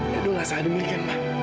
lihat dulu nggak salah demikian ma